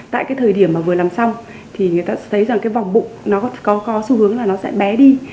tại cái thời điểm mà vừa làm xong thì người ta thấy rằng cái vòng bụng nó có xu hướng là nó sẽ bé đi